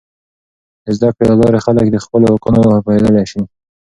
د زده کړې له لارې، خلک د خپلو حقونو پوهیدلی سي.